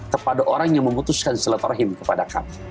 kepada orang yang memutuskan silat rahim kepada kamu